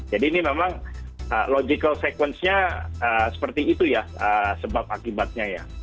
jadi ini memang logical sequence nya seperti itu ya sebab akibatnya ya